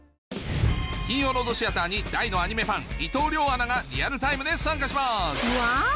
金曜ロードシアターに大のアニメファン伊藤遼アナがリアルタイムで参加しますワオ！